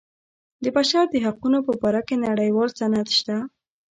د بشر د حقونو په باره کې نړیوال سند شته.